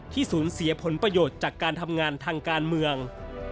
สูญเสียผลประโยชน์จากการทำงานทางการเมือง